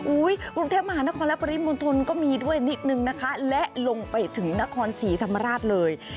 กรุงเทพมหานครและปริมณฑลก็มีด้วยนิดนึงนะคะและลงไปถึงนครศรีธรรมราชเลย